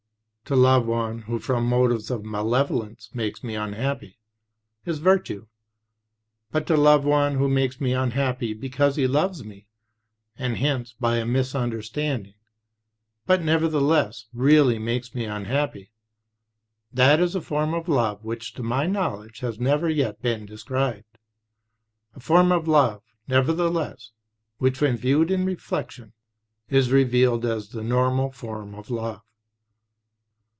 To love one who from motives of malevolence makes me unhappy, is virtue. But to love one who makes me unhappy because he loves me, and hence by a misunderstanding, but nevertheless really makes me unhappy, that is a form of love which to my knowledge has never yet been described, a form of love, nevertheless, which when viewed in reflection, is revealed as the normal form of love."